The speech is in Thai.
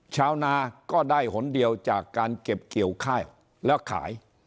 ชาวนาก็ได้หนเดียวจากการเก็บเกี่ยวข้าวแล้วขาย